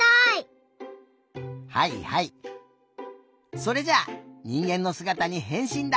はいはいそれじゃあにんげんのすがたにへんしんだ！